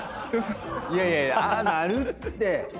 いやいやいやああなるって！